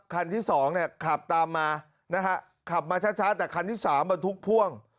คันที่สองเนี่ยขับตามมานะฮะขับมาช้าแต่คันที่สามบรรทุกพ่วง